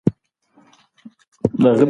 که ډالۍ وي نو مینه نه زړیږي.